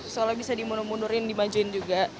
soalnya bisa dimundur mundurin dimajuin juga